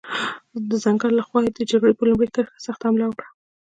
د ځنګل له خوا یې د جګړې پر لومړۍ کرښې سخته حمله وکړه.